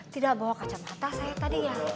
tidak bawa kacamata saya tadi ya